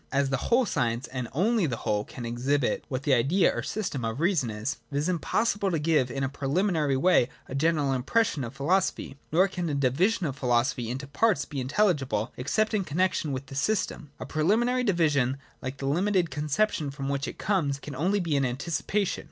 18.] As the whole science, and only the whole, can exhibit what the Idea or system of reason is, it is im possible to give in a preliminary way a general impres sion of a philosophy. Nor can a division of philosophy into its parts be intelligible, except in connexion with the system. A preliminary division, like the limited con ception from which it comes, can only be an anticipation.